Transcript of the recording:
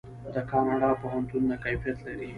د کاناډا پوهنتونونه کیفیت لري.